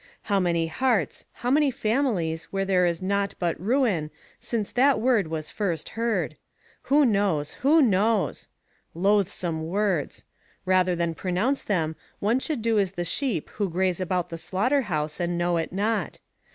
How many hearts, how many families where there is naught but ruin, since that word was first heard! "Who knows! Who knows!" Loathsome words! Rather than pronounce them, one should do as the sheep who graze about the slaughter house and know it not.